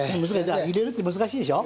入れるって難しいでしょ。